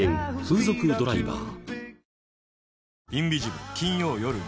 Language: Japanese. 風俗ドライバー